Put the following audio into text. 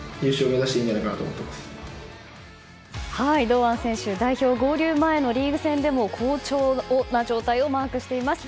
堂安選手、代表合流前のリーグ戦でも好調な状態をマークしています。